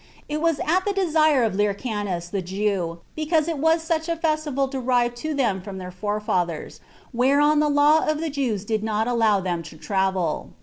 It was at the desire of Lyrcanus the Jew, because it was such a festival derived to them from their forefathers, whereon the law of the Jews did not allow them to travel."